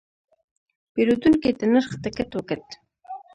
پیرودونکی د نرخ ټکټ وکت.